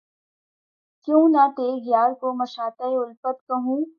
کیوں نہ تیغ یار کو مشاطۂ الفت کہوں